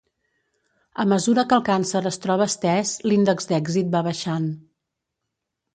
A mesura que el càncer es troba estès l'índex d'èxit va baixant.